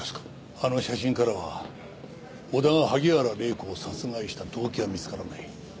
あの写真からは小田が萩原礼子を殺害した動機は見つからない。